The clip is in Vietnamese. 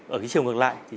ở cái chiều ngược lại